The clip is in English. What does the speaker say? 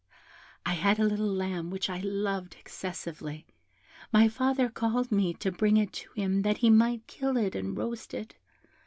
"I had a little lamb which I loved excessively; my father called to me to bring it to him that he might kill it and roast it.